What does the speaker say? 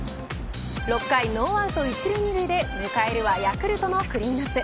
６回、ノーアウト１塁２塁で迎えるはヤクルトのクリーンアップ。